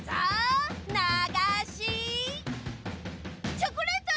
ながしチョコレート！